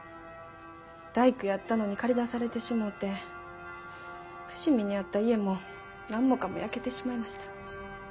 大工やったのに駆り出されてしもて伏見にあった家も何もかも焼けてしまいました。